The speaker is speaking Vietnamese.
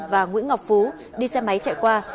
và nguyễn ngọc phú đi xe máy chạy qua